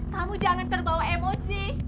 kamu jangan terbawa emosi